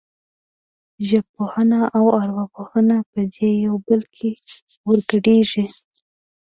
ژبپوهنه او ارواپوهنه په یو بل کې ورګډېږي